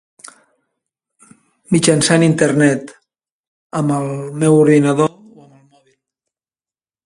Mitjançant internet amb el meu ordinador o amb el mòbil.